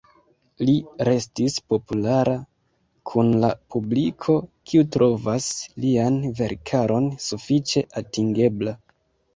Li restis populara kun la publiko, kiu trovas lian verkaron sufiĉe atingebla.